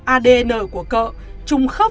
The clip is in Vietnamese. adn của cỡ trùng khớp